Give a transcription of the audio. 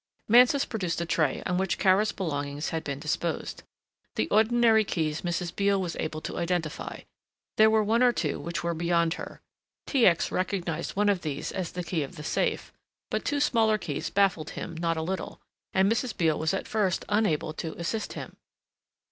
Mansus produced a tray on which Kara's belongings had been disposed. The ordinary keys Mrs. Beale was able to identify. There were one or two which were beyond her. T. X. recognised one of these as the key of the safe, but two smaller keys baffled him not a little, and Mrs. Beale was at first unable to assist him.